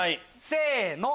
せの！